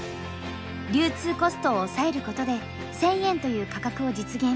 流通コストを抑えることで１，０００円という価格を実現。